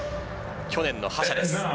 去年の覇者です。